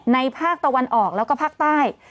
ภาคตะวันออกแล้วก็ภาคใต้